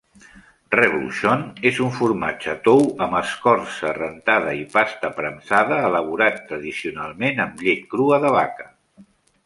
Reblochon és un formatge tou amb escorça rentada i pasta premsada elaborat tradicionalment amb llet crua de vaca.